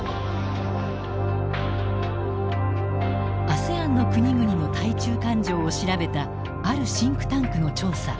ＡＳＥＡＮの国々の対中感情を調べたあるシンクタンクの調査。